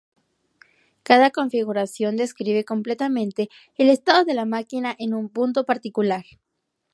Cada configuración describe completamente el estado de la máquina en un punto particular.